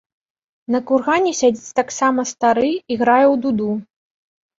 На кургане сядзіць таксама стары і грае ў дуду.